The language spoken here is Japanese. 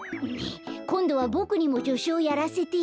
こんどはボクにもじょしゅをやらせてよ。